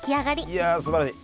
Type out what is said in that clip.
いやすばらしい。